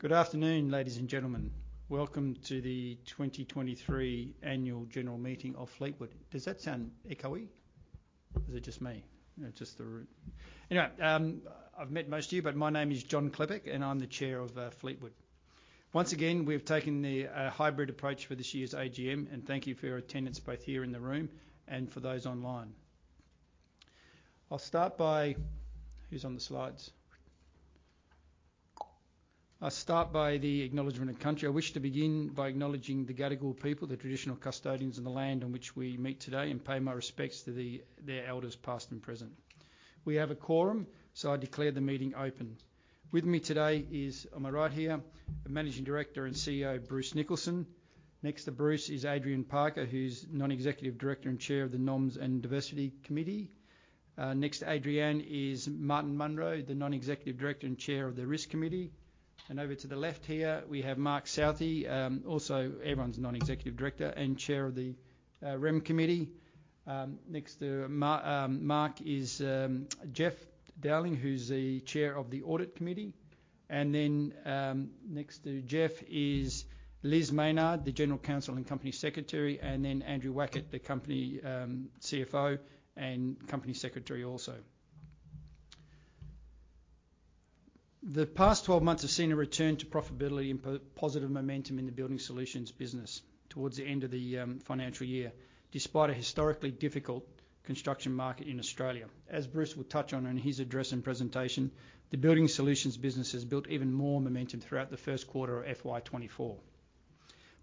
Good afternoon, ladies and gentlemen. Welcome to the 2023 Annual General Meeting of Fleetwood. Does that sound echoey, or is it just me? No, just the room. Anyway, I've met most of you, but my name is John Klepec, and I'm the chair of Fleetwood. Once again, we've taken the hybrid approach for this year's AGM, and thank you for your attendance, both here in the room and for those online. I'll start by the acknowledgement of country. I wish to begin by acknowledging the Gadigal people, the traditional custodians of the land on which we meet today, and pay my respects to their elders, past and present. We have a quorum, so I declare the meeting open. With me today is, on my right here, the Managing Director and CEO, Bruce Nicholson. Next to Bruce is Adrienne Parker, who's Non-Executive Director and Chair of the Nominations and Diversity Committee. Next to Adrienne is Martin Munro, the Non-Executive Director and Chair of the Risk Committee. And over to the left here, we have Mark Southey, also everyone's Non-Executive Director and Chair of the Remuneration Committee. Next to Mark is Jeff Dowling, who's the Chair of the Audit Committee. And then, next to Jeff is Liz Maynard, the General Counsel and Company Secretary, and then Andrew Wackett, the company CFO and Company Secretary, also. The past 12 months have seen a return to profitability and positive momentum in the Building Solutions business towards the end of the financial year, despite a historically difficult construction market in Australia. As Bruce will touch on in his address and presentation, the Building Solutions business has built even more momentum throughout the Q1 of FY 2024.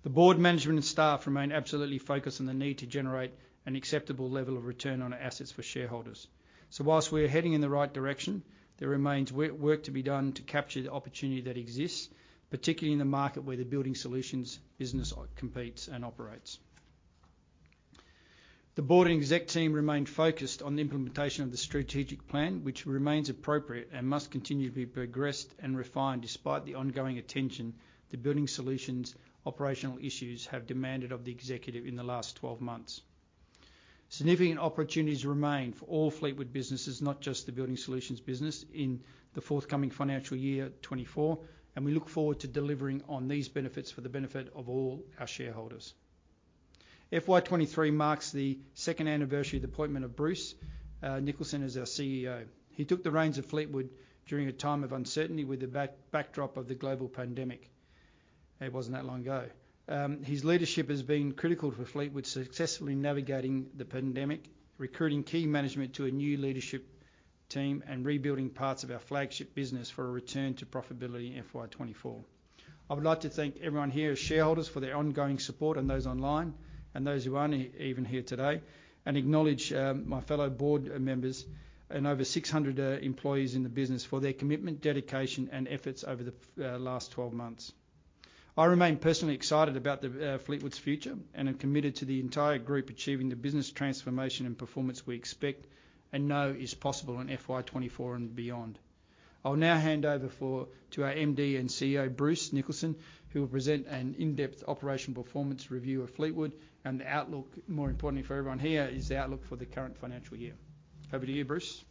The board, management, and staff remain absolutely focused on the need to generate an acceptable level of return on our assets for shareholders. So while we're heading in the right direction, there remains work to be done to capture the opportunity that exists, particularly in the market where the Building Solutions business competes and operates. The board and exec team remain focused on the implementation of the strategic plan, which remains appropriate and must continue to be progressed and refined, despite the ongoing attention the Building Solutions' operational issues have demanded of the executive in the last 12 months. Significant opportunities remain for all Fleetwood businesses, not just the Building Solutions business, in the forthcoming financial year 2024, and we look forward to delivering on these benefits for the benefit of all our shareholders. FY 2023 marks the second anniversary of the appointment of Bruce Nicholson as our CEO. He took the reins of Fleetwood during a time of uncertainty, with the backdrop of the global pandemic. It wasn't that long ago. His leadership has been critical for Fleetwood successfully navigating the pandemic, recruiting key management to a new leadership team, and rebuilding parts of our flagship business for a return to profitability in FY 2024. I would like to thank everyone here as shareholders for their ongoing support, and those online and those who aren't even here today, and acknowledge my fellow board members and over 600 employees in the business for their commitment, dedication, and efforts over the last 12 months. I remain personally excited about the Fleetwood's future and am committed to the entire group achieving the business transformation and performance we expect and know is possible in FY 2024 and beyond. I'll now hand over to our MD and CEO, Bruce Nicholson, who will present an in-depth operational performance review of Fleetwood and the outlook. More importantly for everyone here is the outlook for the current financial year. Over to you, Bruce.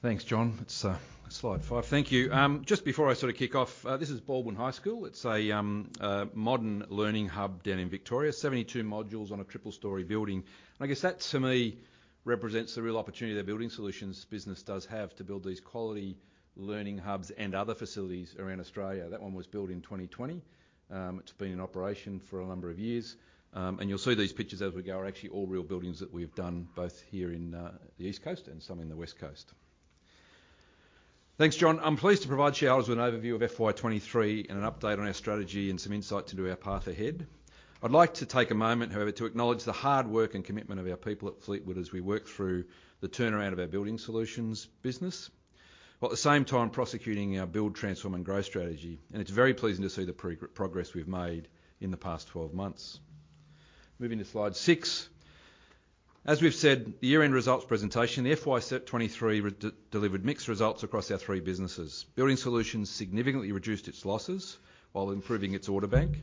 Thanks, John. It's slide 5. Thank you. Just before I sort of kick off, this is Balwyn High School. It's a modern learning hub down in Victoria, 72 modules on a triple-story building. And I guess that, to me, represents the real opportunity the Building Solutions business does have to build these quality learning hubs and other facilities around Australia. That one was built in 2020. It's been in operation for a number of years, and you'll see these pictures as we go are actually all real buildings that we've done, both here in the East Coast and some in the West Coast. Thanks, John. I'm pleased to provide shareholders with an overview of FY 2023 and an update on our strategy and some insight into our path ahead. I'd like to take a moment, however, to acknowledge the hard work and commitment of our people at Fleetwood as we work through the turnaround of our Building Solutions business, while at the same time prosecuting our Build, Transform, and Grow strategy, and it's very pleasing to see the progress we've made in the past 12 months. Moving to slide 6. As we've said, the year-end results presentation, FY 2023 delivered mixed results across our three businesses. Building Solutions significantly reduced its losses while improving its order bank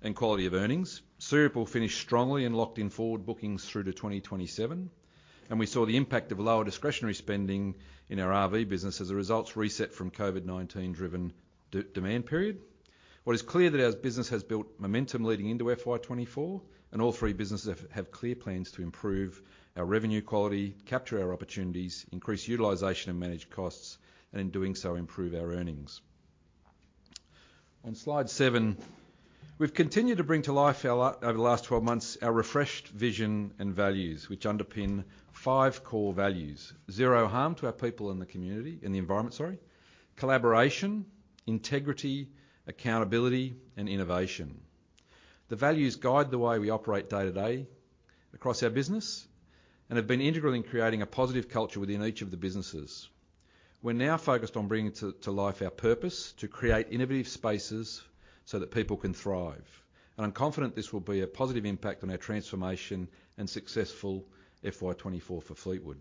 and quality of earnings. Searipple finished strongly and locked in forward bookings through to 2027, and we saw the impact of lower discretionary spending in our RV business as a results reset from COVID-19 driven demand period. What is clear that our business has built momentum leading into FY 2024, and all three businesses have clear plans to improve our revenue quality, capture our opportunities, increase utilization, and manage costs, and in doing so, improve our earnings. On slide 7, we've continued to bring to life over the last 12 months our refreshed vision and values, which underpin 5 core values: zero harm to our people and the community... and the environment, sorry, collaboration, integrity, accountability, and innovation. The values guide the way we operate day-to-day across our business and have been integral in creating a positive culture within each of the businesses. We're now focused on bringing to life our purpose: to create innovative spaces so that people can thrive. I'm confident this will be a positive impact on our transformation and successful FY 2024 for Fleetwood.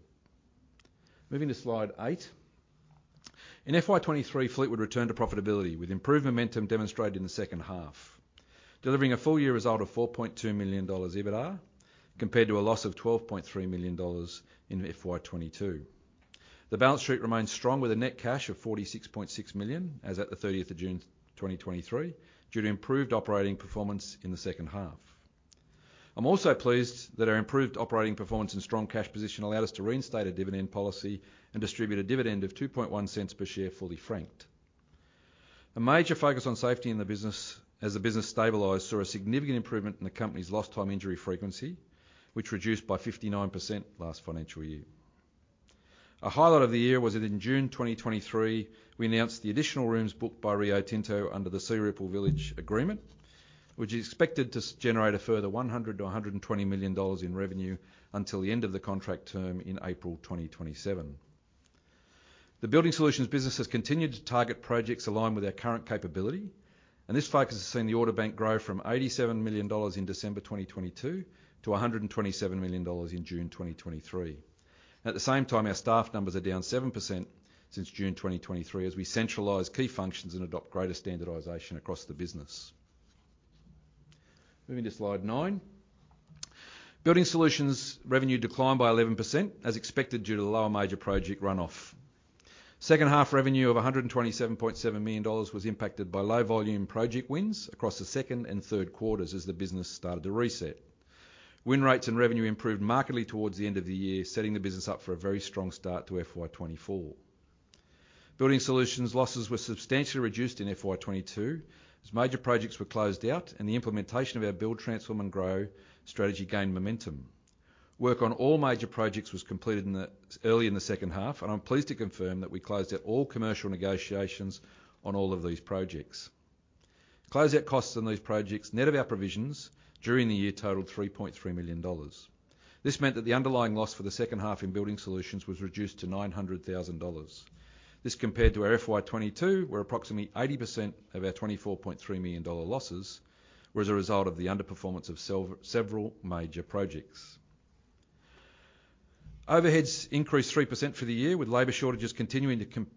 Moving to slide 8. In FY 2023, Fleetwood returned to profitability, with improved momentum demonstrated in the second half... delivering a full-year result of 4.2 million dollars EBITDA, compared to a loss of 12.3 million dollars in FY 2022. The balance sheet remains strong, with a net cash of 46.6 million as at the 30th of June 2023, due to improved operating performance in the second half. I'm also pleased that our improved operating performance and strong cash position allowed us to reinstate a dividend policy and distribute a dividend of 0.021 per share, fully franked. A major focus on safety in the business, as the business stabilized, saw a significant improvement in the company's lost time injury frequency, which reduced by 59% last financial year. A highlight of the year was that in June 2023, we announced the additional rooms booked by Rio Tinto under the Searipple Village agreement, which is expected to generate a further 100 million to 120 million dollars in revenue until the end of the contract term in April 2027. The Building Solutions business has continued to target projects aligned with our current capability, and this focus has seen the order bank grow from 87 million dollars in December 2022 to 127 million dollars in June 2023. At the same time, our staff numbers are down 7% since June 2023, as we centralize key functions and adopt greater standardization across the business. Moving to slide 9. Building Solutions' revenue declined by 11%, as expected, due to the lower major project runoff. Second half revenue of 127.7 million dollars was impacted by low-volume project wins across the Q2 and Q3 as the business started to reset. Win rates and revenue improved markedly towards the end of the year, setting the business up for a very strong start to FY 2024. Building Solutions' losses were substantially reduced in FY 2022, as major projects were closed out and the implementation of our Build, Transform, and Grow strategy gained momentum. Work on all major projects was completed early in the second half, and I'm pleased to confirm that we closed out all commercial negotiations on all of these projects. Close-out costs on these projects, net of our provisions during the year, totaled 3.3 million dollars. This meant that the underlying loss for the second half in Building Solutions was reduced to 900,000 dollars. This compared to our FY 2022, where approximately 80% of our 24.3 million dollar losses were as a result of the underperformance of several major projects. Overheads increased 3% for the year, with labor shortages continuing to come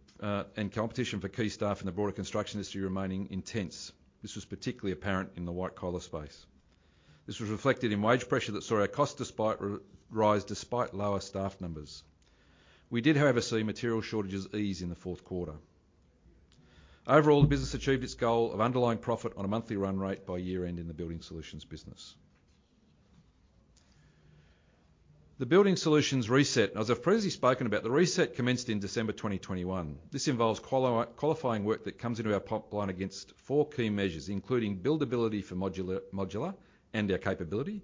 and competition for key staff in the broader construction industry remaining intense. This was particularly apparent in the white-collar space. This was reflected in wage pressure that saw our costs rise despite lower staff numbers. We did, however, see material shortages ease in the Q4. Overall, the business achieved its goal of underlying profit on a monthly run rate by year-end in the Building Solutions business. The Building Solutions reset, as I've previously spoken about, the reset commenced in December 2021. This involves qualifying work that comes into our pipeline against four key measures, including buildability for modular and our capability;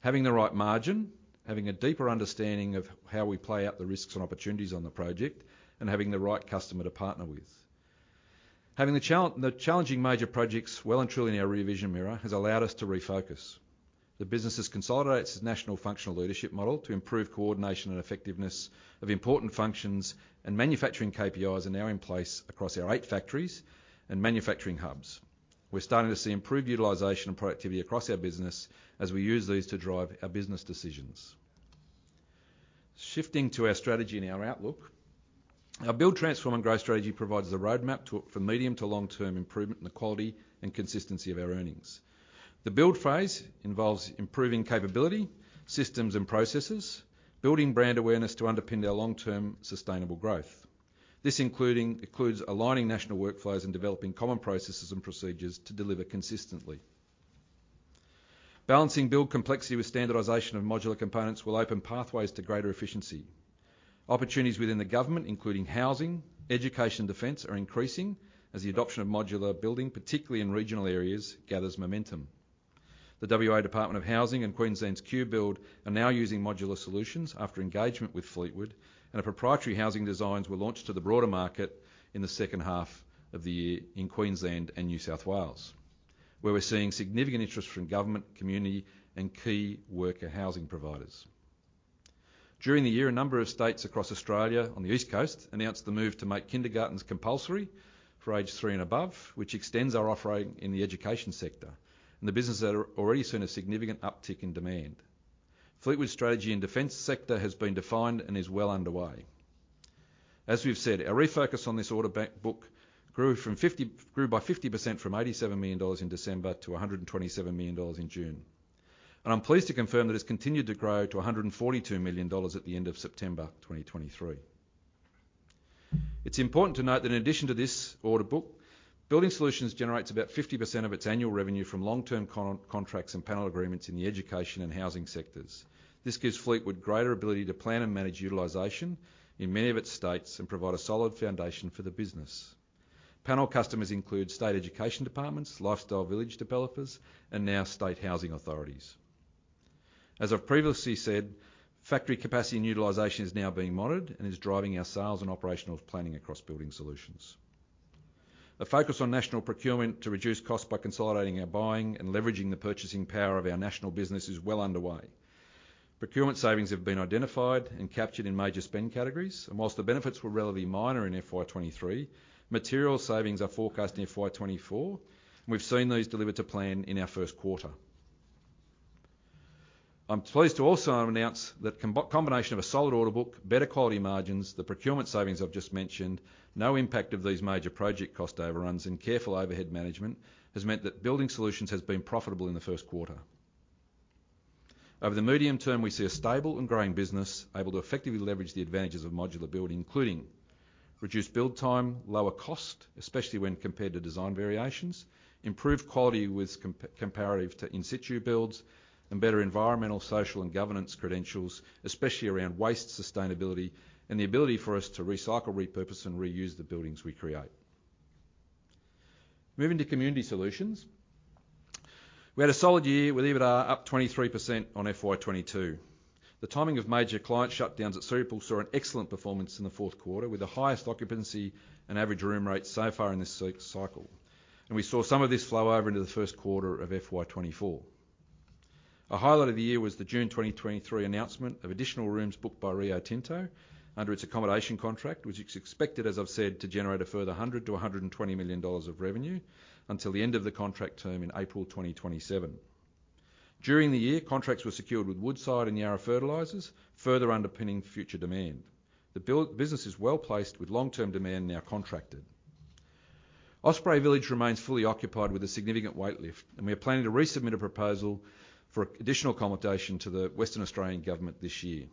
having the right margin; having a deeper understanding of how we play out the risks and opportunities on the project; and having the right customer to partner with. Having the challenging major projects well and truly in our rear vision mirror has allowed us to refocus. The business has consolidated its national functional leadership model to improve coordination and effectiveness of important functions, and manufacturing KPIs are now in place across our eight factories and manufacturing hubs. We're starting to see improved utilization and productivity across our business as we use these to drive our business decisions. Shifting to our strategy and our outlook, our Build, Transform, and Grow strategy provides a roadmap to for medium- to long-term improvement in the quality and consistency of our earnings. The build phase involves improving capability, systems and processes, building brand awareness to underpin our long-term sustainable growth. This includes aligning national workflows and developing common processes and procedures to deliver consistently. Balancing build complexity with standardization of modular components will open pathways to greater efficiency. Opportunities within the government, including housing, education, and defense, are increasing as the adoption of modular building, particularly in regional areas, gathers momentum. The WA Department of Housing and Queensland's QBuild are now using modular solutions after engagement with Fleetwood, and our proprietary housing designs were launched to the broader market in the second half of the year in Queensland and New South Wales, where we're seeing significant interest from government, community, and key worker housing providers. During the year, a number of states across Australia on the East Coast announced the move to make kindergartens compulsory for age three and above, which extends our offering in the education sector and the business that are already seen a significant uptick in demand. Fleetwood's strategy in defense sector has been defined and is well underway. As we've said, our refocus on this order bank book grew by 50% from 87 million dollars in December to 127 million dollars in June. I'm pleased to confirm that it's continued to grow to 142 million dollars at the end of September 2023. It's important to note that in addition to this order book, Building Solutions generates about 50% of its annual revenue from long-term contracts and panel agreements in the education and housing sectors. This gives Fleetwood greater ability to plan and manage utilization in many of its states and provide a solid foundation for the business. Panel customers include state education departments, lifestyle village developers, and now state housing authorities. As I've previously said, factory capacity and utilization is now being monitored and is driving our sales and operational planning across Building Solutions. A focus on national procurement to reduce costs by consolidating our buying and leveraging the purchasing power of our national business is well underway. Procurement savings have been identified and captured in major spend categories, and while the benefits were relatively minor in FY 2023, material savings are forecast in FY 2024, and we've seen these delivered to plan in our Q1. I'm pleased to also announce that combination of a solid order book, better quality margins, the procurement savings I've just mentioned, no impact of these major project cost overruns, and careful overhead management, has meant that Building Solutions has been profitable in the Q1. Over the medium term, we see a stable and growing business able to effectively leverage the advantages of modular building, including: reduced build time, lower cost, especially when compared to design variations, improved quality with comparative to in situ builds, and better environmental, social, and governance credentials, especially around waste sustainability, and the ability for us to recycle, repurpose, and reuse the buildings we create. Moving to Community Solutions. We had a solid year, with EBITDA up 23% on FY 2022. The timing of major client shutdowns at Searipple saw an excellent performance in the Q4, with the highest occupancy and average room rate so far in this cycle, and we saw some of this flow over into the Q1 of FY 2024. A highlight of the year was the June 2023 announcement of additional rooms booked by Rio Tinto under its accommodation contract, which is expected, as I've said, to generate a further 100 million to 120 million dollars of revenue until the end of the contract term in April 2027. During the year, contracts were secured with Woodside and Yara Fertilizers, further underpinning future demand. The build business is well-placed, with long-term demand now contracted. Osprey Village remains fully occupied with a significant weight lift, and we are planning to resubmit a proposal for additional accommodation to the Western Australian Government this year.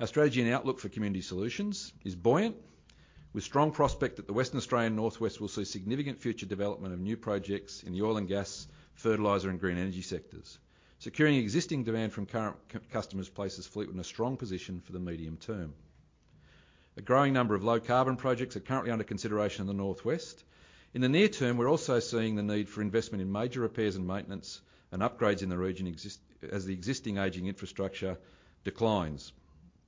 Our strategy and outlook for Community Solutions is buoyant, with strong prospect that the Western Australian Northwest will see significant future development of new projects in the oil and gas, fertilizer, and green energy sectors. Securing existing demand from current customers places Fleetwood in a strong position for the medium term. A growing number of low-carbon projects are currently under consideration in the Northwest. In the near term, we're also seeing the need for investment in major repairs and maintenance and upgrades in the region as the existing aging infrastructure declines.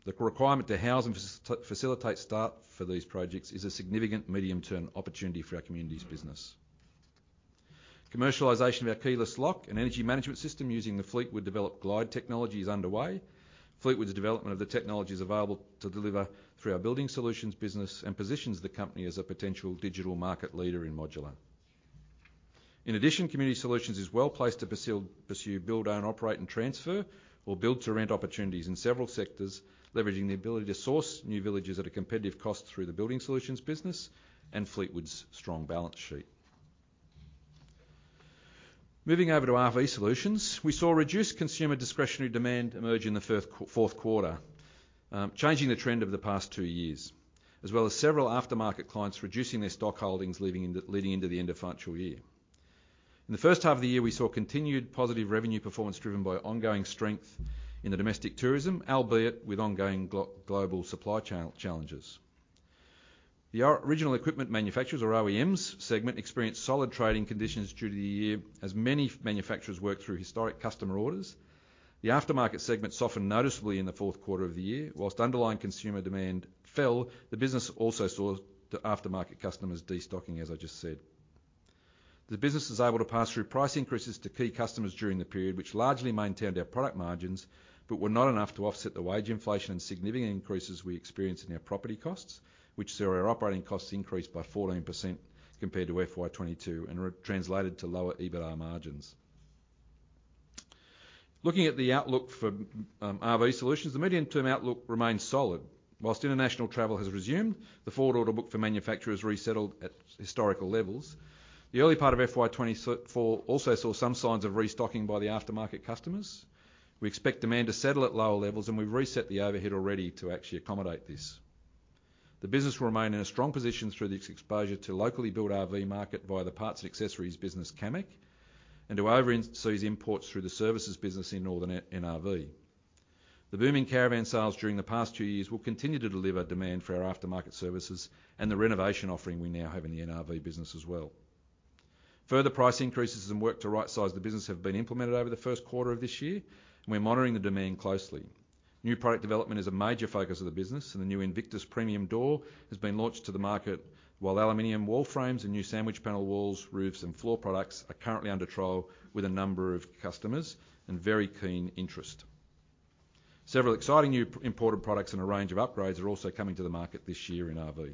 The requirement to house and facilitate start for these projects is a significant medium-term opportunity for our Community Solutions business. Commercialization of our keyless lock and energy management system using the Fleetwood-developed Glyde technology is underway. Fleetwood's development of the technology is available to deliver through our Building Solutions business and positions the company as a potential digital market leader in modular. In addition, Community Solutions is well-placed to pursue build, own, operate, and transfer or build-to-rent opportunities in several sectors, leveraging the ability to source new villages at a competitive cost through the Building Solutions business and Fleetwood's strong balance sheet. Moving over to RV Solutions, we saw reduced consumer discretionary demand emerge in the Q4, changing the trend over the past two years, as well as several aftermarket clients reducing their stock holdings, leading into the end of financial year. In the first half of the year, we saw continued positive revenue performance, driven by ongoing strength in the domestic tourism, albeit with ongoing global supply chain challenges. The original equipment manufacturers, or OEMs, segment experienced solid trading conditions during the year as many manufacturers worked through historic customer orders. The aftermarket segment softened noticeably in the Q4 of the year. While underlying consumer demand fell, the business also saw the aftermarket customers destocking, as I just said. The business was able to pass through price increases to key customers during the period, which largely maintained our product margins, but were not enough to offset the wage inflation and significant increases we experienced in our property costs, which saw our operating costs increase by 14% compared to FY 2022 and translated to lower EBITDA margins. Looking at the outlook for RV Solutions, the medium-term outlook remains solid. While international travel has resumed, the forward order book for manufacturers resettled at historical levels. The early part of FY 2024 also saw some signs of restocking by the aftermarket customers. We expect demand to settle at lower levels, and we've reset the overhead already to actually accommodate this. The business will remain in a strong position through its exposure to locally built RV market via the parts and accessories business, Camec, and to overseas imports through the services business in Northern RV. The booming caravan sales during the past two years will continue to deliver demand for our aftermarket services and the renovation offering we now have in the NRV business as well. Further price increases and work to right-size the business have been implemented over the Q1 of this year, and we're monitoring the demand closely. New product development is a major focus of the business, and the new Invictus premium door has been launched to the market, while aluminum wall frames and new sandwich panel walls, roofs, and floor products are currently under trial with a number of customers and very keen interest. Several exciting new imported products and a range of upgrades are also coming to the market this year in RV.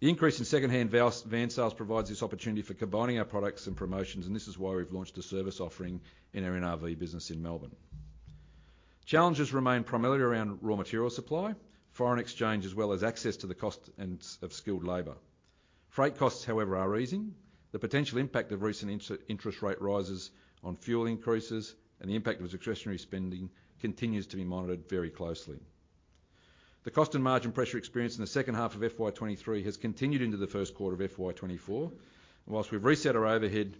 The increase in secondhand van sales provides this opportunity for combining our products and promotions, and this is why we've launched a service offering in our NRV business in Melbourne. Challenges remain primarily around raw material supply, foreign exchange, as well as access to the cost of skilled labor. Freight costs, however, are easing. The potential impact of recent interest rate rises on fuel increases and the impact of discretionary spending continues to be monitored very closely. The cost and margin pressure experienced in the second half of FY 2023 has continued into the Q1 of FY 2024. While we've reset our overhead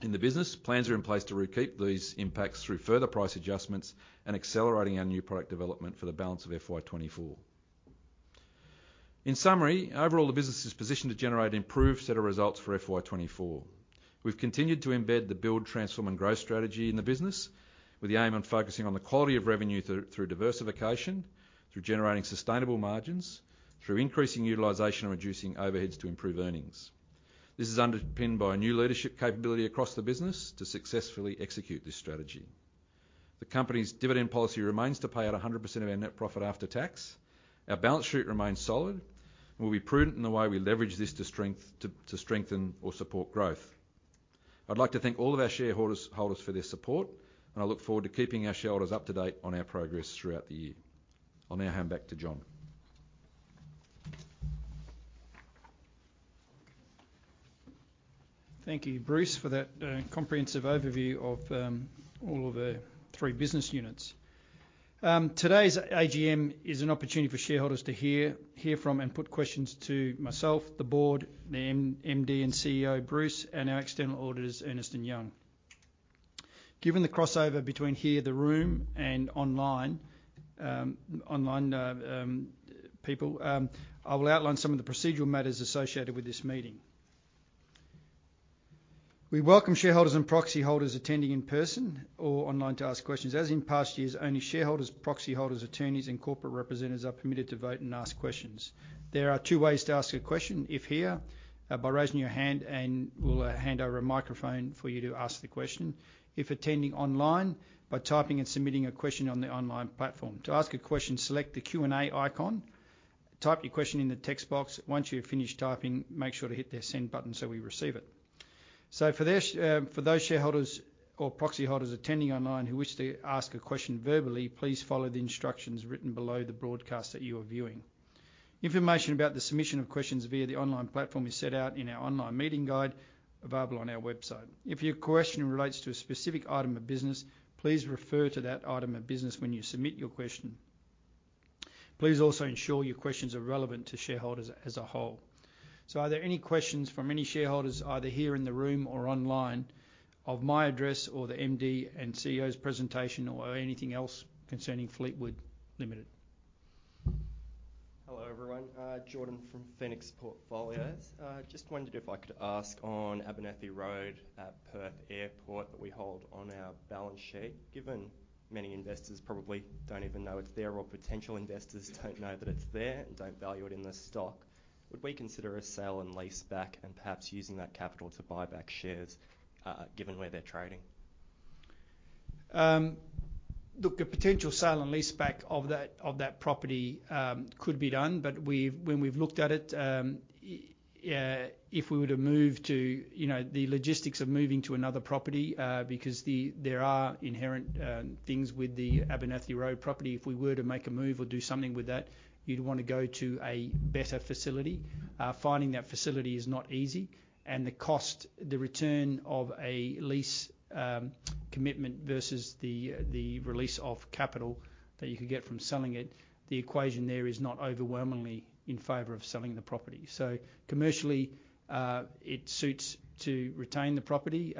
in the business, plans are in place to recoup these impacts through further price adjustments and accelerating our new product development for the balance of FY 2024. In summary, overall, the business is positioned to generate improved set of results for FY 2024. We've continued to embed the Build, Transform, and Grow strategy in the business, with the aim on focusing on the quality of revenue through, through diversification, through generating sustainable margins, through increasing utilization, and reducing overheads to improve earnings. This is underpinned by a new leadership capability across the business to successfully execute this strategy. The company's dividend policy remains to pay out 100% of our net profit after tax. Our balance sheet remains solid, and we'll be prudent in the way we leverage this to strength, to, to strengthen or support growth. I'd like to thank all of our shareholders, holders for their support, and I look forward to keeping our shareholders up to date on our progress throughout the year. I'll now hand back to John. Thank you, Bruce, for that, comprehensive overview of all of the three business units. Today's AGM is an opportunity for shareholders to hear from and put questions to myself, the board, the MD and CEO, Bruce, and our external auditors, Ernst & Young. Given the crossover between here, the room, and online people, I will outline some of the procedural matters associated with this meeting. We welcome shareholders and proxy holders attending in person or online to ask questions. As in past years, only shareholders, proxy holders, attorneys, and corporate representatives are permitted to vote and ask questions. There are two ways to ask a question: if here, by raising your hand, and we'll hand over a microphone for you to ask the question. If attending online, by typing and submitting a question on the online platform. To ask a question, select the Q&A icon, type your question in the text box. Once you've finished typing, make sure to hit the Send button so we receive it. So for those shareholders or proxy holders attending online who wish to ask a question verbally, please follow the instructions written below the broadcast that you are viewing. Information about the submission of questions via the online platform is set out in our online meeting guide, available on our website. If your question relates to a specific item of business, please refer to that item of business when you submit your question. Please also ensure your questions are relevant to shareholders as a whole. So are there any questions from any shareholders, either here in the room or online, of my address or the MD and CEO's presentation, or anything else concerning Fleetwood Limited? Hello, everyone, Jordan from Phoenix Portfolios. Just wondered if I could ask on Abernethy Road at Perth Airport, that we hold on our balance sheet. Given many investors probably don't even know it's there, or potential investors don't know that it's there and don't value it in the stock, would we consider a sale and leaseback and perhaps using that capital to buy back shares, given where they're trading? Look, a potential sale and leaseback of that property could be done. But when we've looked at it, if we were to move to, you know, the logistics of moving to another property, because there are inherent things with the Abernethy Road property. If we were to make a move or do something with that, you'd want to go to a better facility. Finding that facility is not easy, and the cost, the return of a lease commitment versus the release of capital that you could get from selling it, the equation there is not overwhelmingly in favor of selling the property. So commercially, it suits to retain the property.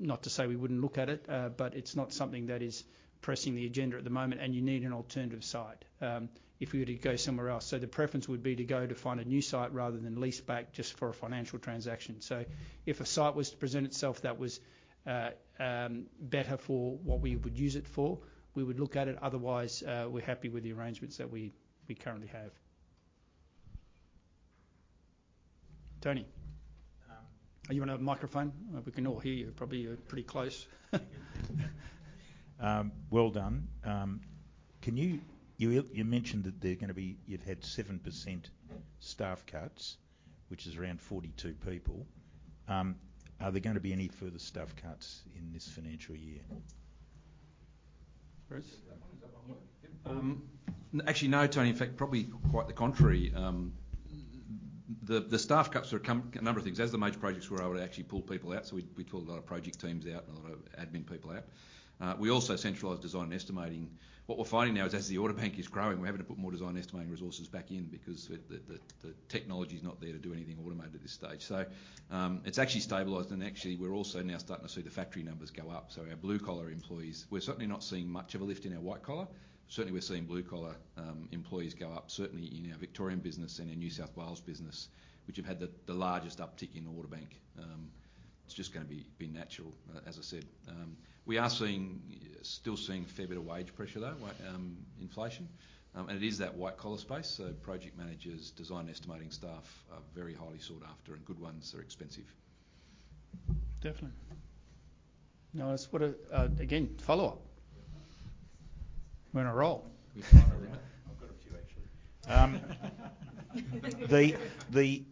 Not to say we wouldn't look at it, but it's not something that is pressing the agenda at the moment, and you need an alternative site, if we were to go somewhere else. So the preference would be to go to find a new site rather than leaseback just for a financial transaction. So if a site was to present itself that was better for what we would use it for, we would look at it. Otherwise, we're happy with the arrangements that we currently have. Tony, you want to have a microphone? We can all hear you. Probably, you're pretty close. Well done. Can you... You, you mentioned that there are going to be-- you've had 7% staff cuts, which is around 42 people. Are there going to be any further staff cuts in this financial year? Bruce? Actually, no, Tony. In fact, probably quite the contrary. The staff cuts are coming from a number of things. As the major projects were able to actually pull people out, so we pulled a lot of project teams out and a lot of admin people out. We also centralized design and estimating. What we're finding now is, as the order bank is growing, we're having to put more design and estimating resources back in because the technology is not there to do anything automated at this stage. So, it's actually stabilized, and actually, we're also now starting to see the factory numbers go up, so our blue-collar employees. We're certainly not seeing much of a lift in our white collar. Certainly, we're seeing blue-collar employees go up, certainly in our Victorian business and our New South Wales business, which have had the largest uptick in the order bank. It's just going to be natural, as I said. We are still seeing a fair bit of wage pressure, though, inflation. It is that white-collar space, so project managers, design estimating staff are very highly sought after, and good ones are expensive. Definitely. Now, again, follow-up. We're on a roll. We're on a roll. I've got a few, actually. Um-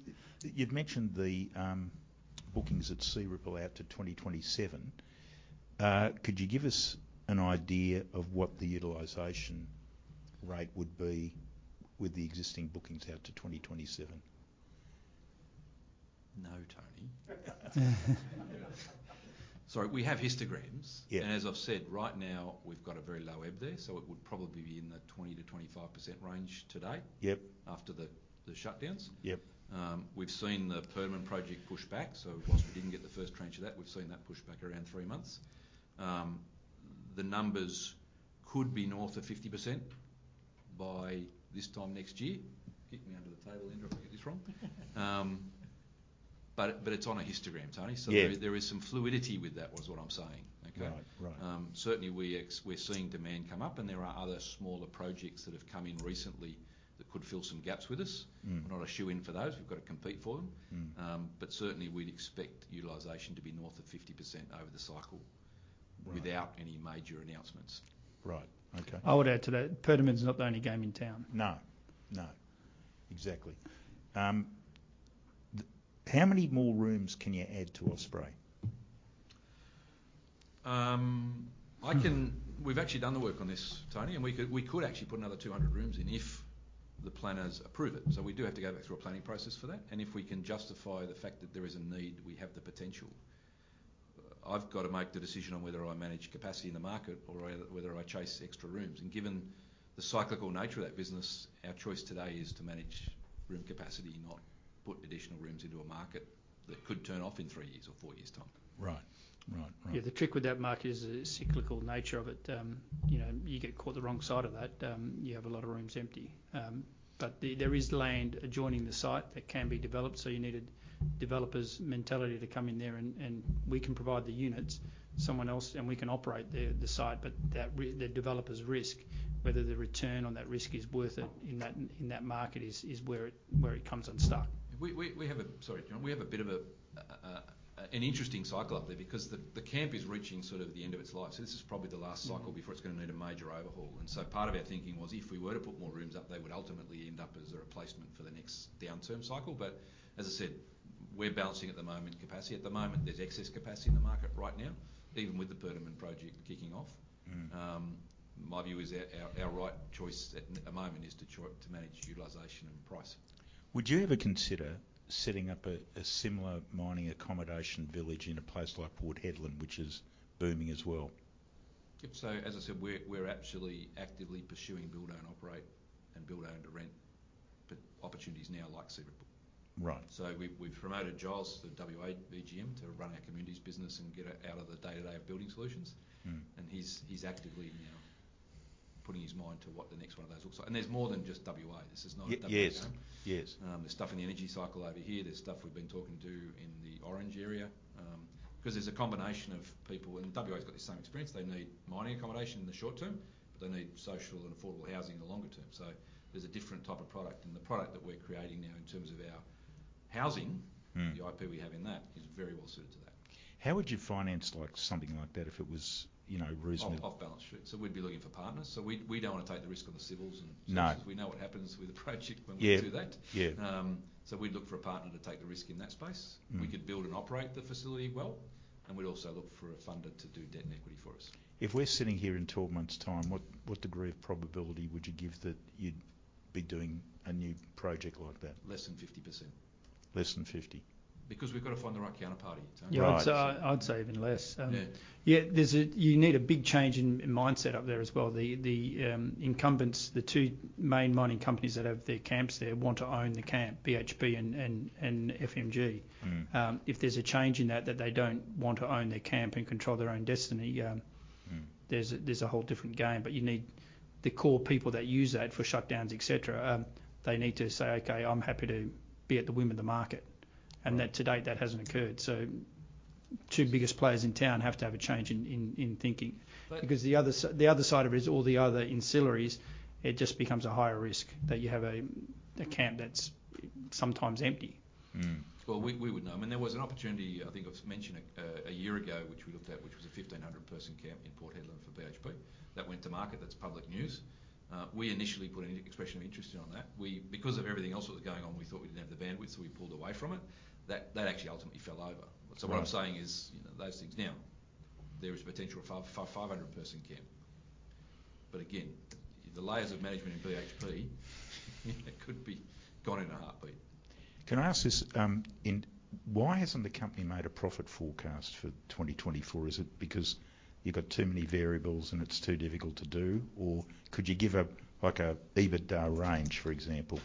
You've mentioned the bookings at Searipple out to 2027. Could you give us an idea of what the utilization rate would be with the existing bookings out to 2027? No, Tony. Sorry, we have histograms. Yeah. As I've said, right now, we've got a very low ebb there, so it would probably be in the 20% to 25% range today- Yep... after the shutdowns. Yep. We've seen the Perdaman project pushed back, so while we didn't get the first tranche of that, we've seen that pushed back around three months. The numbers could be north of 50% by this time next year. Hit me under the table, Linda, if I get this wrong. But, but it's on a histogram, Tony. Yeah. So there is some fluidity with that, was what I'm saying. Okay? Right. Right. Certainly, we're seeing demand come up, and there are other smaller projects that have come in recently that could fill some gaps with us. Mm. We're not a shoo-in for those. We've got to compete for them. Mm. Certainly, we'd expect utilization to be north of 50% over the cycle. ... without any major announcements. Right, okay. I would add to that, Perdaman is not the only game in town. No, no. Exactly. How many more rooms can you add to Osprey? We've actually done the work on this, Tony, and we could, we could actually put another 200 rooms in if the planners approve it. So we do have to go back through a planning process for that, and if we can justify the fact that there is a need, we have the potential. I've got to make the decision on whether I manage capacity in the market or whether, whether I chase the extra rooms. And given the cyclical nature of that business, our choice today is to manage room capacity, not put additional rooms into a market that could turn off in 3 years or 4 years' time. Right. Right, right. Yeah, the trick with that market is the cyclical nature of it. You know, you get caught the wrong side of that, you have a lot of rooms empty. But there is land adjoining the site that can be developed, so you need a developer's mentality to come in there and we can provide the units. Someone else and we can operate the site, but that the developer's risk, whether the return on that risk is worth it in that market, is where it comes unstuck. We have a... Sorry, John. We have a bit of an interesting cycle up there because the camp is reaching sort of the end of its life. So this is probably the last cycle before it's going to need a major overhaul. And so part of our thinking was, if we were to put more rooms up, they would ultimately end up as a replacement for the next downturn cycle. But as I said, we're balancing at the moment capacity. At the moment, there's excess capacity in the market right now, even with the Perdaman project kicking off. Mm. My view is our right choice at the moment is to manage utilization and price. Would you ever consider setting up a similar mining accommodation village in a place like Port Hedland, which is booming as well? As I said, we're actually actively pursuing build-own-operate and build-own-to-rent, but opportunities now like Searipple. Right. So we've promoted Giles to WA MGM to run our communities business and get out of the day-to-day of Building Solutions. Mm. And he's, he's actively now putting his mind to what the next one of those looks like. And there's more than just WA. This is not- Yes, yes. There's stuff in the energy cycle over here. There's stuff we've been talking to in the Orange area. Because there's a combination of people, and WA's got the same experience: they need mining accommodation in the short term, but they need social and affordable housing in the longer term. So there's a different type of product, and the product that we're creating now in terms of our housing- Mm... the IP we have in that, is very well suited to that. How would you finance like something like that if it was, you know, reasonable? Off-balance sheet. So we'd be looking for partners. So we don't want to take the risk on the civils and- No... We know what happens with a project when we do that. Yeah, yeah. So we'd look for a partner to take the risk in that space. Mm. We could build and operate the facility well, and we'd also look for a funder to do debt and equity for us. If we're sitting here in 12 months' time, what, what degree of probability would you give that you'd be doing a new project like that? Less than 50%. Less than 50? Because we've got to find the right counterparty, Tony. Right. Yeah, so I, I'd say even less. Yeah. Yeah, you need a big change in mindset up there as well. The incumbents, the two main mining companies that have their camps there, want to own the camp, BHP and FMG. Mm. If there's a change in that, that they don't want to own their camp and control their own destiny, Mm... there's a whole different game. But you need the core people that use that for shutdowns, et cetera, they need to say, "Okay, I'm happy to be at the whim of the market. Right. That to date, that hasn't occurred. So two biggest players in town have to have a change in thinking. But- Because the other side of it is all the other ancillaries, it just becomes a higher risk that you have a camp that's sometimes empty. Mm. Well, we would know. I mean, there was an opportunity, I think I've mentioned it, a year ago, which we looked at, which was a 1,500-person camp in Port Hedland for BHP, that went to market. That's public news. We initially put an expression of interest in on that. Because of everything else that was going on, we thought we didn't have the bandwidth, so we pulled away from it. That actually ultimately fell over. Right. So what I'm saying is, you know, those things... Now, there is potential for a 500-person camp. But again, the layers of management in BHP, it could be gone in a heartbeat. Can I ask this, Why hasn't the company made a profit forecast for 2024? Is it because you've got too many variables and it's too difficult to do, or could you give a, like a EBITDA range, for example?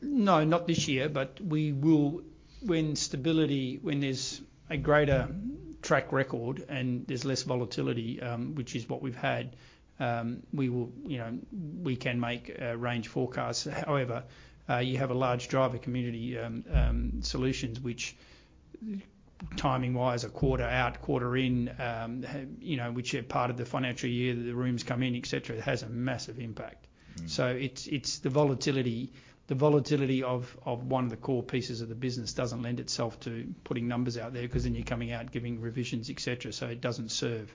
No, not this year, but we will. When there's a greater track record and there's less volatility, which is what we've had, we will, you know, we can make range forecasts. However, you have a large driver Community Solutions, which timing-wise, are quarter out, quarter in, you know, which are part of the financial year that the rooms come in, et cetera, it has a massive impact. Mm. So it's the volatility. The volatility of one of the core pieces of the business doesn't lend itself to putting numbers out there, 'cause then you're coming out giving revisions, et cetera, so it doesn't serve-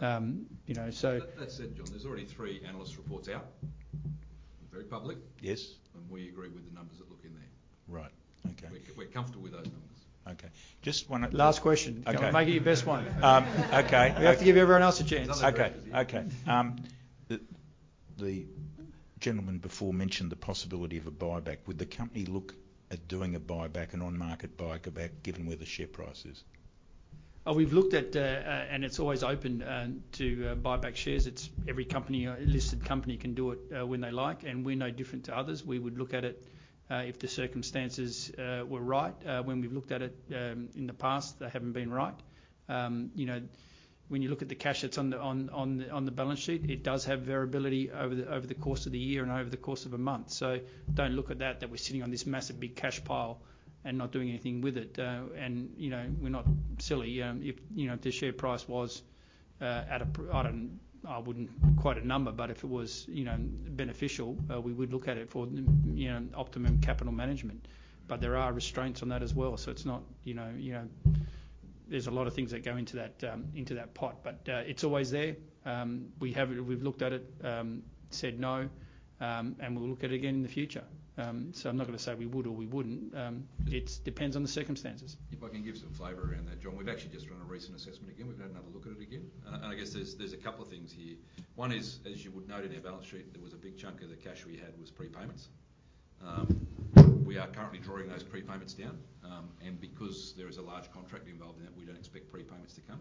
Mm... you know, so- That said, John, there's already three analyst reports out. Very public. Yes. We agree with the numbers that look in there. Right, okay. We're comfortable with those numbers. Okay, just one- Last question. Okay. Make it your best one. Um, okay. We have to give everyone else a chance. Other directors. Okay, okay. The gentleman before mentioned the possibility of a buyback. Would the company look at doing a buyback, an on-market buyback, given where the share price is? Oh, we've looked at... And it's always open to buy back shares. It's every company, listed company can do it when they like, and we're no different to others. We would look at it if the circumstances were right. When we've looked at it in the past, they haven't been right. You know, when you look at the cash that's on the balance sheet, it does have variability over the course of the year and over the course of a month. So don't look at that we're sitting on this massive, big cash pile and not doing anything with it. And, you know, we're not silly. If, you know, if the share price was... I don't, I wouldn't quote a number, but if it was, you know, beneficial, we would look at it for the, you know, optimum capital management. But there are restraints on that as well, so it's not, you know, you know. There's a lot of things that go into that, into that pot. But, it's always there. We have, we've looked at it, said no, and we'll look at it again in the future. So I'm not going to say we would or we wouldn't, it depends on the circumstances. If I can give some flavor around that, John. We've actually just run a recent assessment again. We've had another look at it again, and I guess there's a couple of things here. One is, as you would note in our balance sheet, there was a big chunk of the cash we had was prepayments. We are currently drawing those prepayments down. And because there is a large contract involved in that, we don't expect prepayments to come.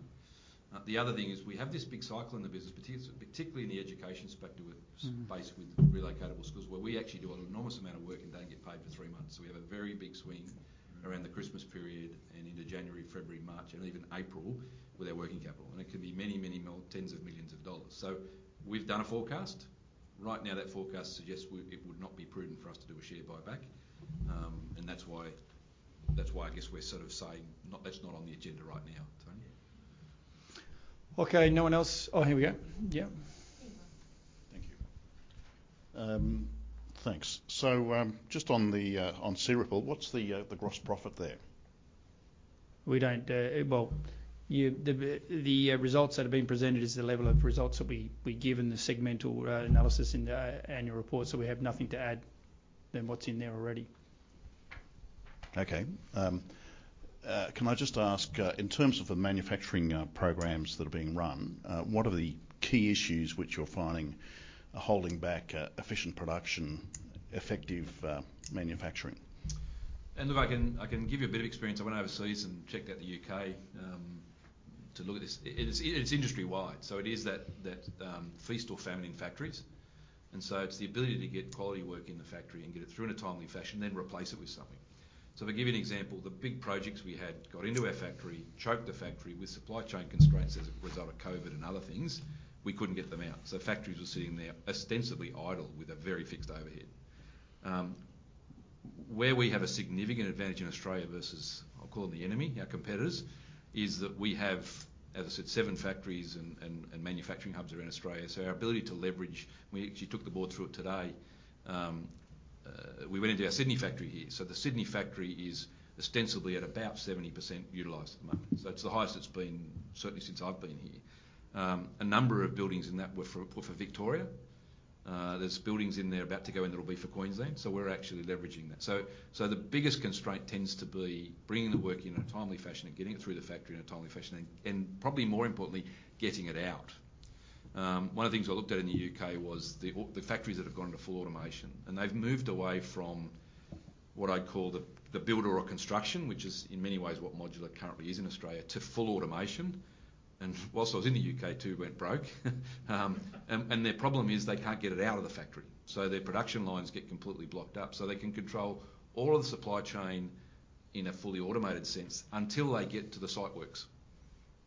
The other thing is we have this big cycle in the business, particularly in the education sector with- Mm... space with relocatable schools, where we actually do an enormous amount of work and don't get paid for three months. So we have a very big swing around the Christmas period and into January, February, March, and even April, with our working capital. And it can be many, many—tens of millions of AUD. So we've done a forecast. Right now, that forecast suggests it would not be prudent for us to do a share buyback. And that's why, that's why I guess we're sort of saying not, that's not on the agenda right now, Tony. Okay, no one else? Oh, here we go. Yeah. Thank you. Thanks. So, just on Searipple, what's the gross profit there? We don't... Well, you, the results that have been presented is the level of results that we, we give in the segmental analysis in the annual report, so we have nothing to add than what's in there already. Okay. Can I just ask, in terms of the manufacturing programs that are being run, what are the key issues which you're finding are holding back efficient production, effective manufacturing? Look, I can give you a bit of experience. I went overseas and checked out the UK to look at this. It is industry-wide, so it is that feast or famine in factories. So it's the ability to get quality work in the factory and get it through in a timely fashion, then replace it with something. So to give you an example, the big projects we had got into our factory choked the factory with supply chain constraints as a result of COVID and other things. We couldn't get them out, so factories were sitting there ostensibly idle, with a very fixed overhead. Where we have a significant advantage in Australia versus, I'll call them the enemy, our competitors, is that we have, as I said, seven factories and manufacturing hubs around Australia. So our ability to leverage. We actually took the board through it today. We went into our Sydney factory here. So the Sydney factory is ostensibly at about 70% utilized at the moment. So it's the highest it's been, certainly since I've been here. A number of buildings in that were for Victoria. There's buildings in there about to go in that'll be for Queensland, so we're actually leveraging that. So the biggest constraint tends to be bringing the work in in a timely fashion and getting it through the factory in a timely fashion and, probably more importantly, getting it out. One of the things I looked at in the UK was the factories that have gone into full automation, and they've moved away from what I'd call the builder or construction, which is in many ways what modular currently is in Australia, to full automation. While I was in the UK, two went broke. Their problem is they can't get it out of the factory, so their production lines get completely blocked up. So they can control all of the supply chain in a fully automated sense until they get to the site works,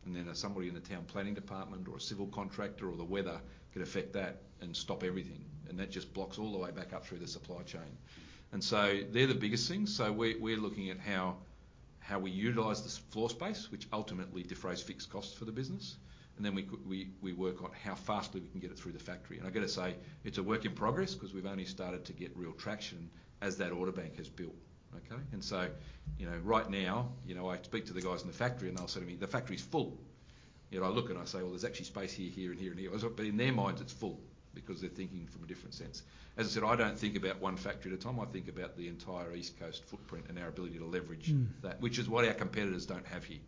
and then there's somebody in the town planning department or a civil contractor or the weather can affect that and stop everything, and that just blocks all the way back up through the supply chain. So they're the biggest things. So we're looking at how we utilize this floor space, which ultimately defrays fixed costs for the business, and then we work on how fast we can get it through the factory. And I've got to say, it's a work in progress 'cause we've only started to get real traction as that order bank has built. Okay? And so, you know, right now, you know, I speak to the guys in the factory, and they'll say to me, "The factory's full." You know, I look and I say: "Well, there's actually space here, here, and here, and here." But in their minds, it's full because they're thinking from a different sense. As I said, I don't think about one factory at a time. I think about the entire East Coast footprint and our ability to leverage- Mm ...that, which is what our competitors don't have here.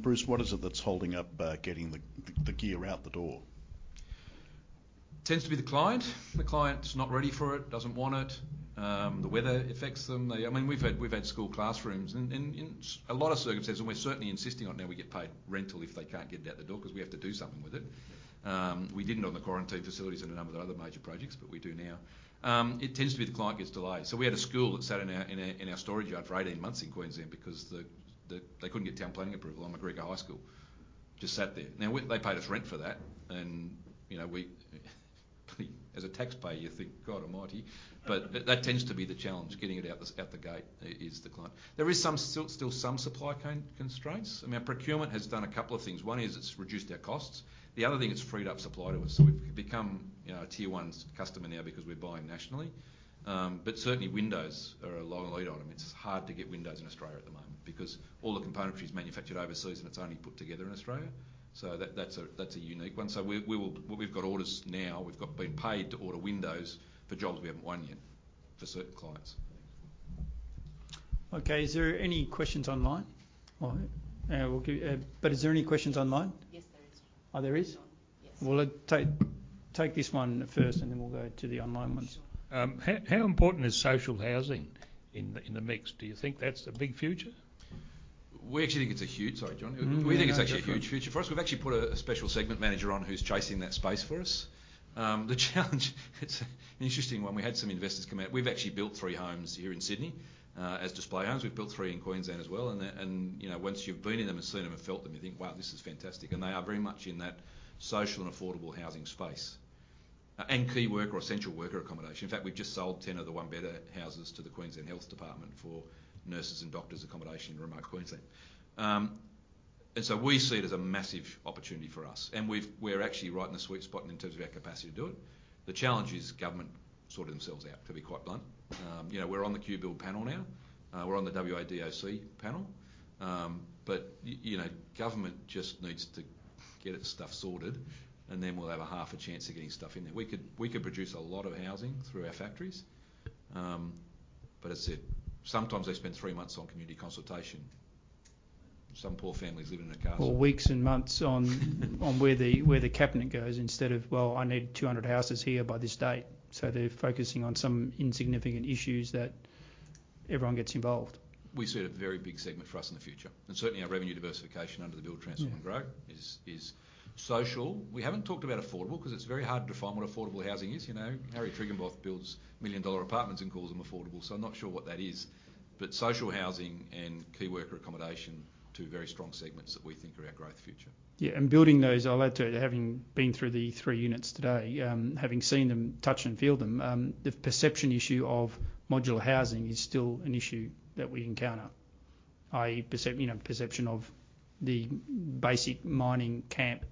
Bruce, what is it that's holding up getting the gear out the door? Tends to be the client. The client's not ready for it, doesn't want it. The weather affects them. They... I mean, we've had school classrooms in a lot of circumstances, and we're certainly insisting on now we get paid rental if they can't get it out the door, 'cause we have to do something with it. We didn't on the quarantine facilities and a number of other major projects, but we do now. It tends to be the client gets delayed. So we had a school that sat in our storage yard for 18 months in Queensland because they couldn't get town planning approval on MacGregor High School. Just sat there. Now, we—they paid us rent for that, and, you know, we—as a taxpayer, you think: "God Almighty!" But that, that tends to be the challenge, getting it out the, out the gate, is the client. There is some still, still some supply constraints. I mean, our procurement has done a couple of things. One is it's reduced our costs. The other thing, it's freed up supply to us, so we've become, you know, a tier one customer now because we're buying nationally. But certainly windows are a long lead item. It's hard to get windows in Australia at the moment because all the componentry is manufactured overseas, and it's only put together in Australia. So that, that's a unique one. So we will. We've got orders now, we've been paid to order windows for jobs we haven't won yet, for certain clients. Okay, is there any questions online? All right... But is there any questions online? Yes, there is. Oh, there is? Yes. Well, let's take this one first, and then we'll go to the online ones. How important is social housing in the mix? Do you think that's a big future? We actually think it's a huge... Sorry, John. Mm-hmm. We think it's actually a huge future for us. We've actually put a special segment manager on who's chasing that space for us. The challenge, it's an interesting one. We had some investors come out. We've actually built three homes here in Sydney as display homes. We've built three in Queensland as well, and, you know, once you've been in them and seen them and felt them, you think: "Wow, this is fantastic!" And they are very much in that social and affordable housing space, and key worker or essential worker accommodation. In fact, we've just sold 10 of the one-bedder houses to the Queensland Health Department for nurses and doctors accommodation in remote Queensland. And so we see it as a massive opportunity for us, and we're actually right in the sweet spot in terms of our capacity to do it. The challenge is government sort themselves out, to be quite blunt. You know, we're on the QBuild panel now. We're on the WADOC panel. But you know, government just needs to get its stuff sorted, and then we'll have a half a chance of getting stuff in there. We could, we could produce a lot of housing through our factories. But as I said, sometimes they spend three months on community consultation. Some poor family's living in a castle. Or weeks and months on where the cabinet goes, instead of, "Well, I need 200 houses here by this date." So they're focusing on some insignificant issues that everyone gets involved. We see it as a very big segment for us in the future, and certainly our revenue diversification under the Build, Transform, and Grow- Mm... is social. We haven't talked about affordable, 'cause it's very hard to define what affordable housing is. You know, Harry Triguboff builds million-dollar apartments and calls them affordable, so I'm not sure what that is. But social housing and key worker accommodation, two very strong segments that we think are our growth future. Yeah, and building those, I'll add to it, having been through the three units today, having seen them, touched and feel them, the perception issue of modular housing is still an issue that we encounter, i.e., you know, perception of the basic mining camp,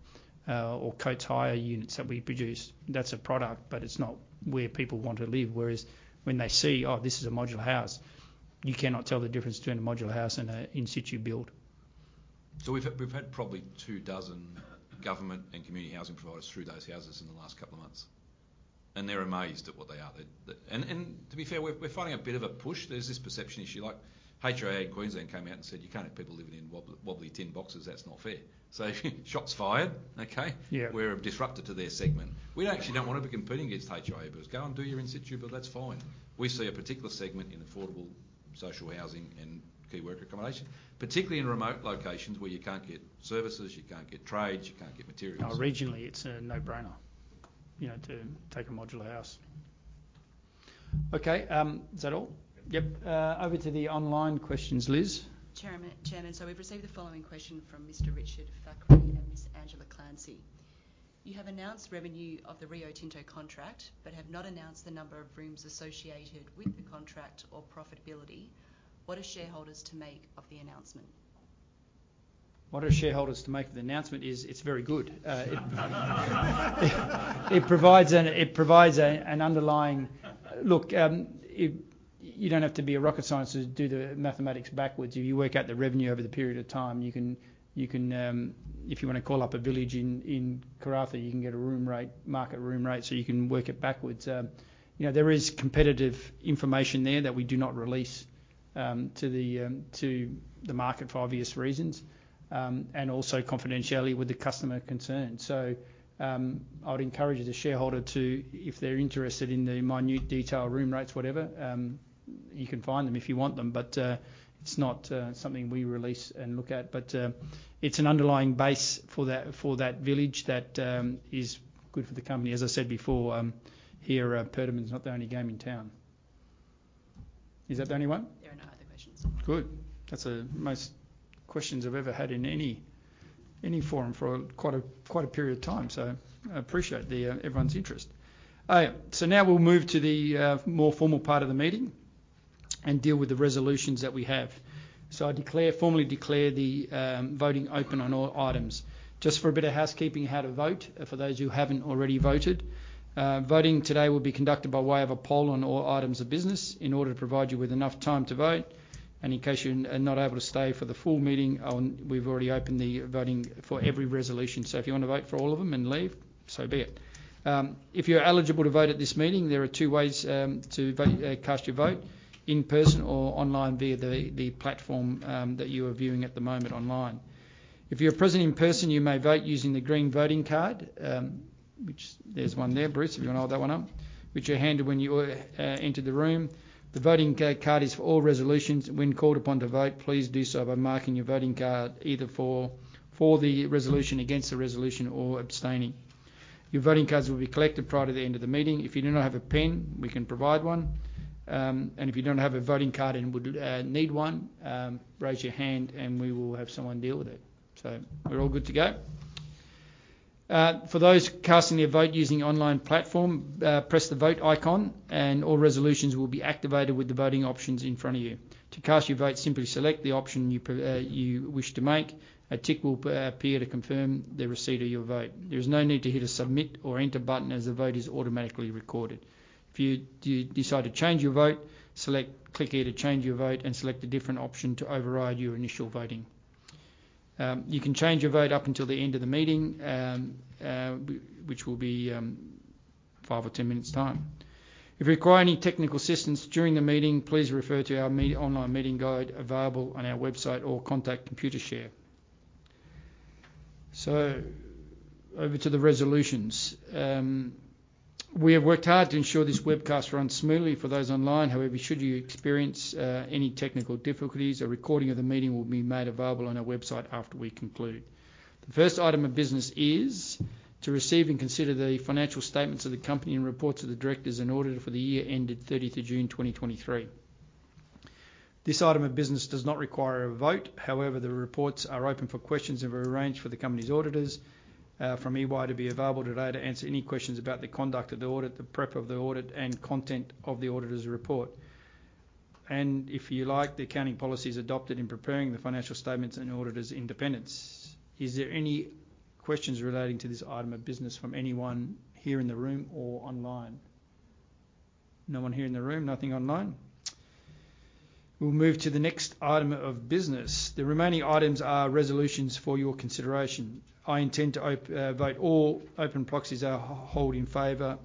or Coates Hire units that we produce. That's a product, but it's not where people want to live. Whereas when they see, "Oh, this is a modular house," you cannot tell the difference between a modular house and a in situ build. So we've had probably 24 government and community housing providers through those houses in the last couple of months, and they're amazed at what they are. They're the... And to be fair, we're finding a bit of a push. There's this perception issue, like, HIA in Queensland came out and said, "You can't have people living in wobbly, wobbly tin boxes. That's not fair." So shots fired, okay? Yeah. We're a disrupter to their segment. We don't actually want to be competing against HIA, but go and do your in situ, but that's fine. We see a particular segment in affordable social housing and key worker accommodation, particularly in remote locations where you can't get services, you can't get trades, you can't get materials. Oh, regionally, it's a no-brainer, you know, to take a modular house. Okay, is that all? Yep. Over to the online questions. Liz? Chairman, Chairman, so we've received the following question from Mr. Richard Thackray and Ms. Angela Clancy: "You have announced revenue of the Rio Tinto contract but have not announced the number of rooms associated with the contract or profitability. What are shareholders to make of the announcement? What are shareholders to make of the announcement is, it's very good. It provides an underlying... Look, you don't have to be a rocket scientist to do the mathematics backwards. If you work out the revenue over the period of time, you can, if you want to call up a village in Karratha, you can get a room rate, market room rate, so you can work it backwards. You know, there is competitive information there that we do not release to the market for obvious reasons, and also confidentiality with the customer concerned. So, I would encourage the shareholder to, if they're interested in the minute detail, room rates, whatever, you can find them if you want them. But, it's not something we release and look at. But, it's an underlying base for that, for that village that is good for the company. As I said before, here, Perdaman is not the only game in town. Is that the only one? There are no other questions. Good. That's the most questions I've ever had in any forum for quite a period of time, so I appreciate everyone's interest. So now we'll move to the more formal part of the meeting and deal with the resolutions that we have. So I declare, formally declare the voting open on all items. Just for a bit of housekeeping, how to vote, for those who haven't already voted. Voting today will be conducted by way of a poll on all items of business in order to provide you with enough time to vote. And in case you're not able to stay for the full meeting, we've already opened the voting for every resolution. So if you want to vote for all of them and leave, so be it. If you're eligible to vote at this meeting, there are two ways to vote, cast your vote: in person or online via the, the platform that you are viewing at the moment online. If you're present in person, you may vote using the green voting card, which there's one there. Bruce, if you want to hold that one up, which you're handed when you entered the room. The voting card is for all resolutions. When called upon to vote, please do so by marking your voting card either for, for the resolution, against the resolution, or abstaining. Your voting cards will be collected prior to the end of the meeting. If you do not have a pen, we can provide one. And if you don't have a voting card and would need one, raise your hand, and we will have someone deal with it. So we're all good to go? For those casting their vote using the online platform, press the Vote icon, and all resolutions will be activated with the voting options in front of you. To cast your vote, simply select the option you wish to make. A tick will appear to confirm the receipt of your vote. There is no need to hit a Submit or Enter button, as the vote is automatically recorded. If you decide to change your vote, select Click here to change your vote and select a different option to override your initial voting. You can change your vote up until the end of the meeting, which will be five or 10 minutes' time. If you require any technical assistance during the meeting, please refer to our online meeting guide available on our website or contact Computershare. So over to the resolutions. We have worked hard to ensure this webcast runs smoothly for those online. However, should you experience any technical difficulties, a recording of the meeting will be made available on our website after we conclude. The first item of business is to receive and consider the financial statements of the company and reports of the directors and auditor for the year ended 30 June 2023. This item of business does not require a vote. However, the reports are open for questions, and we've arranged for the company's auditors from EY to be available today to answer any questions about the conduct of the audit, the prep of the audit, and content of the auditor's report. If you like, the accounting policies adopted in preparing the financial statements and auditors' independence. Is there any questions relating to this item of business from anyone here in the room or online? No one here in the room. Nothing online. We'll move to the next item of business. The remaining items are resolutions for your consideration. I intend to vote all open proxies held in favor,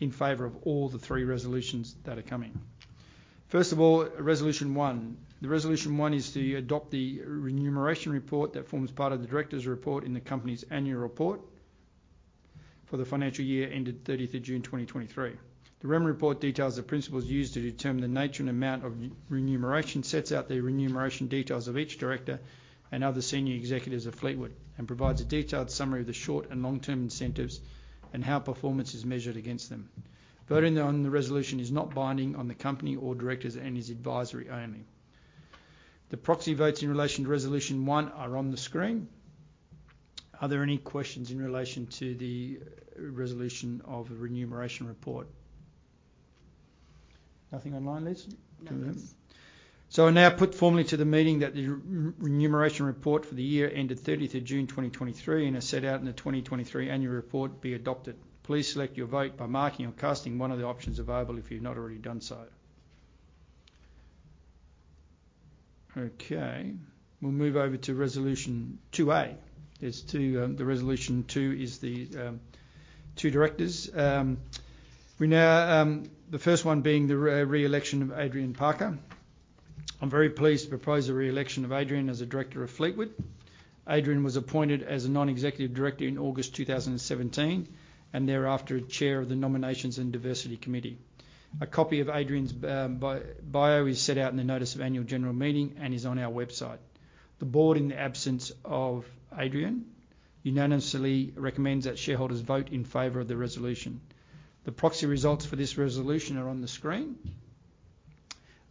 in favor of all the three resolutions that are coming. First of all, resolution one. The resolution one is to adopt the remuneration report that forms part of the directors' report in the company's annual report for the financial year ended thirtieth of June, 2023. The remuneration report details the principles used to determine the nature and amount of remuneration, sets out the remuneration details of each director and other senior executives of Fleetwood, and provides a detailed summary of the short- and long-term incentives and how performance is measured against them. Voting on the resolution is not binding on the company or directors and is advisory only. The proxy votes in relation to resolution one are on the screen. Are there any questions in relation to the resolution of the remuneration report? Nothing online, Liz? Nothing. So I now put formally to the meeting that the remuneration report for the year ended 30th of June, 2023, and as set out in the 2023 annual report, be adopted. Please select your vote by marking or casting one of the options available if you've not already done so. Okay, we'll move over to resolution 2A. There's 2, the resolution 2 is the 2 directors. We now, the first one being the re-election of Adrienne Parker. I'm very pleased to propose the re-election of Adrienne as a director of Fleetwood. Adrienne was appointed as a non-executive director in August 2017, and thereafter, Chair of the Nominations and Diversity Committee. A copy of Adrienne's bio is set out in the notice of annual general meeting and is on our website. The board, in the absence of Adrienne, unanimously recommends that shareholders vote in favor of the resolution. The proxy results for this resolution are on the screen.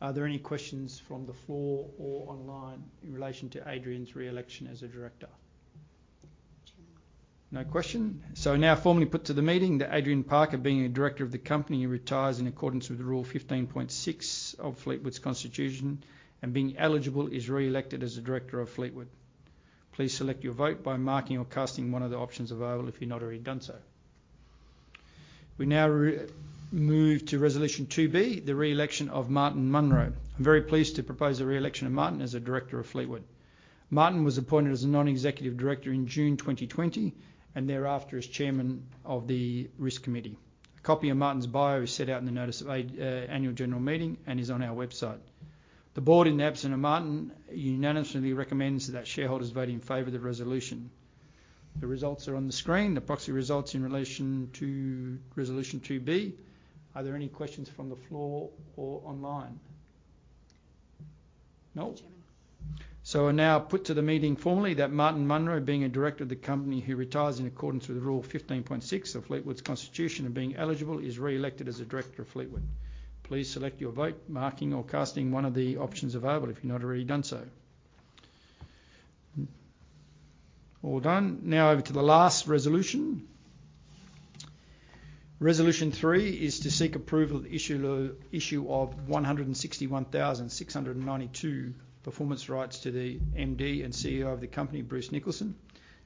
Are there any questions from the floor or online in relation to Adrienne's re-election as a director? Chairman. No question. So I now formally put to the meeting that Adrienne Parker, being a director of the company, he retires in accordance with the Rule 15.6 of Fleetwood's Constitution, and being eligible, is re-elected as a director of Fleetwood. Please select your vote by marking or casting one of the options available if you've not already done so. We now move to resolution 2B, the re-election of Martin Munro. I'm very pleased to propose the re-election of Martin as a director of Fleetwood. Martin was appointed as a non-executive director in June 2020, and thereafter, as Chairman of the Risk Committee. A copy of Martin's bio is set out in the notice of AGM and is on our website. The board, in the absence of Martin, unanimously recommends that shareholders vote in favor of the resolution. The results are on the screen, the proxy results in relation to resolution 2B. Are there any questions from the floor or online? No. Chairman. So I now put to the meeting formally, that Martin Munro, being a director of the company, he retires in accordance with Rule 15.6 of Fleetwood's Constitution, and being eligible, is re-elected as a director of Fleetwood. Please select your vote, marking or casting one of the options available if you've not already done so. All done. Now over to the last resolution. Resolution three is to seek approval of the issue of 161,692 performance rights to the MD and CEO of the company, Bruce Nicholson,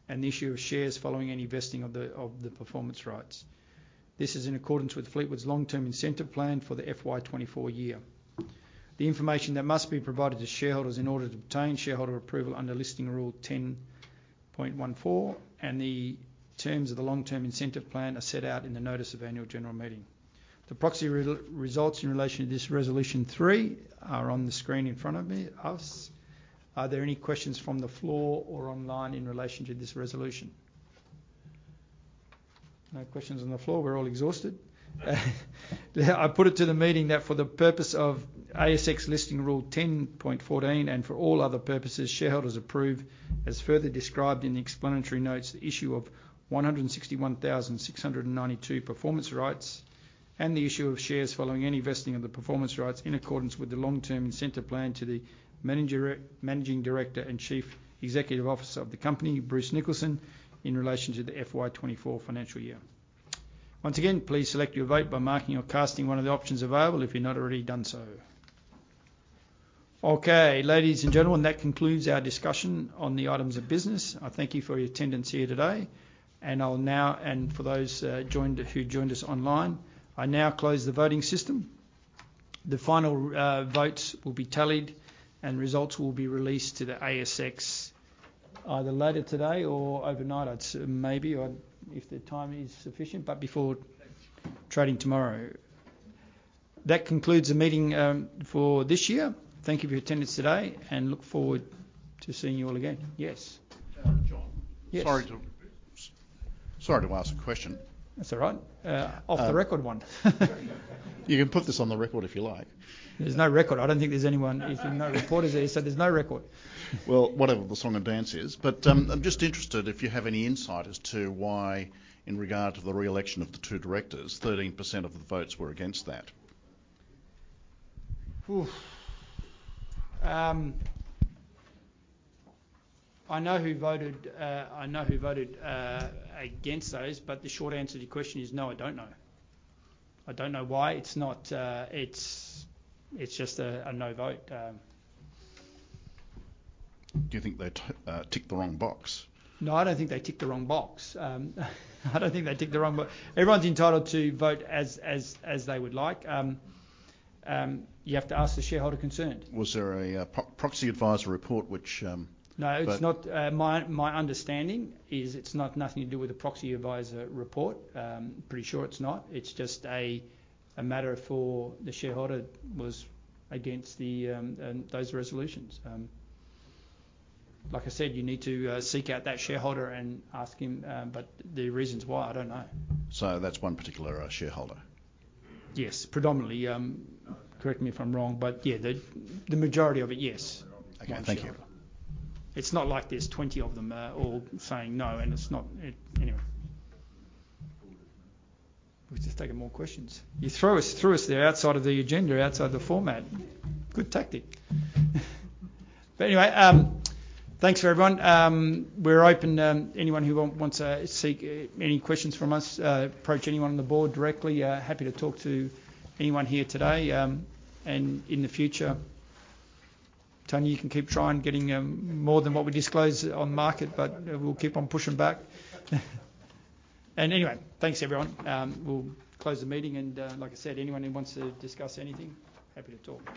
and the issue of shares following any vesting of the performance rights. This is in accordance with Fleetwood's long-term incentive plan for the FY 2024 year. The information that must be provided to shareholders in order to obtain shareholder approval under Listing Rule 10.4, and the terms of the long-term incentive plan are set out in the notice of annual general meeting. The proxy results in relation to this resolution 3 are on the screen in front of me/us. Are there any questions from the floor or online in relation to this resolution? No questions on the floor. We're all exhausted. I put it to the meeting that for the purpose of ASX Listing Rule 10.14, and for all other purposes, shareholders approve, as further described in the explanatory notes, the issue of 161,692 performance rights, and the issue of shares following any vesting of the performance rights in accordance with the long-term incentive plan to the Managing Director and Chief Executive Officer of the company, Bruce Nicholson, in relation to the FY 2024 financial year. Once again, please select your vote by marking or casting one of the options available if you've not already done so. Okay, ladies and gentlemen, that concludes our discussion on the items of business. I thank you for your attendance here today, and I'll now... and for those joined, who joined us online, I now close the voting system. The final votes will be tallied, and results will be released to the ASX either later today or overnight, I'd say, maybe, or if the time is sufficient, but before trading tomorrow. That concludes the meeting for this year. Thank you for your attendance today and look forward to seeing you all again. Yes? Uh, John? Yes. Sorry to ask a question. That's all right. Uh- Off the record one. You can put this on the record if you like. There's no record. There's no reporters here, so there's no record. Well, whatever the song and dance is. But, I'm just interested if you have any insight as to why, in regard to the re-election of the two directors, 13% of the votes were against that? Oof! I know who voted against those, but the short answer to your question is no, I don't know. I don't know why. It's not, it's just a no vote. Do you think they ticked the wrong box? No, I don't think they ticked the wrong box. I don't think they ticked the wrong box. Everyone's entitled to vote as they would like. You have to ask the shareholder concerned. Was there a proxy advisor report which? No- But-... it's not my understanding is it's not nothing to do with the proxy advisor report. Pretty sure it's not. It's just a matter for the shareholder was against those resolutions. Like I said, you need to seek out that shareholder and ask him, but the reasons why, I don't know. So that's one particular shareholder? Yes, predominantly. Correct me if I'm wrong, but yeah, the majority of it, yes. Okay, thank you. It's not like there's 20 of them, all saying no, and it's not... Anyway. We're just taking more questions. You throw us, threw us there outside of the agenda, outside the format. Good tactic. But anyway, thanks for everyone. We're open, anyone who wants to seek any questions from us, approach anyone on the board directly. Happy to talk to anyone here today, and in the future. Tony, you can keep trying, getting more than what we disclose on market, but we'll keep on pushing back. And anyway, thanks, everyone. We'll close the meeting, and like I said, anyone who wants to discuss anything, happy to talk.